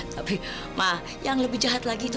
tapi yang lebih jahat lagi itu